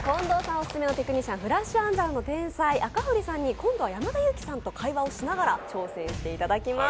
オススメのテクニシャン、フラッシュ暗算の天才赤堀さんに今度は山田裕貴さんと会話をしながら挑戦をしていただきます。